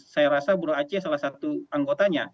saya rasa buruh aceh salah satu anggotanya